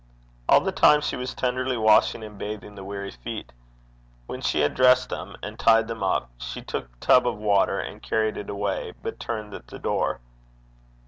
All the time she was tenderly washing and bathing the weary feet. When she had dressed them and tied them up, she took the tub of water and carried it away, but turned at the door.